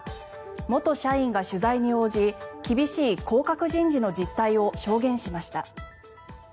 元社員が取材に応じ厳しい降格人事の実態を証言しました。